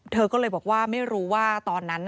เธอก็เลยบอกว่าไม่รู้ว่าตอนนั้น